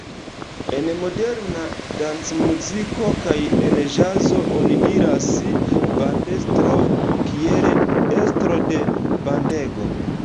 En moderna dancmuziko kaj en ĵazo oni diras bandestro kiel estro de bandego.